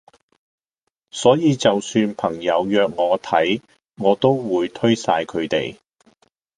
所以就算朋友約我睇我都會推曬佢地